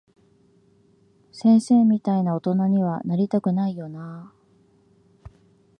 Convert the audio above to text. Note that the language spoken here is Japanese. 先生みたいな大人には、なりたくないよなぁ。